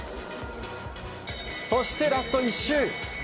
そしてラスト１周。